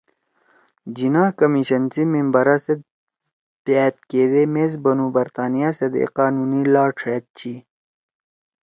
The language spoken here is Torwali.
جناح کمیشن سی ممبرا سیت بأت کیدے میس بنُو ”برطانیہ سیت اے قانونی لات ݜأد چی